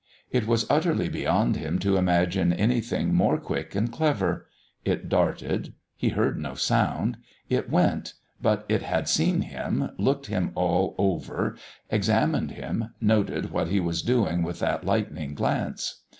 It was utterly beyond him to imagine anything more quick and clever. It darted. He heard no sound. It went. But it had seen him, looked him all over, examined him, noted what he was doing with that lightning glance.